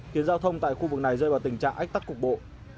khiến giao thông tại khu vực này rơi vào tình trạng ách tắc cục bộ